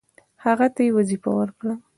هغه ته یې وظیفه ورکړه.